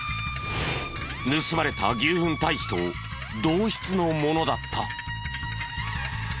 盗まれた牛ふん堆肥と同質のものだった。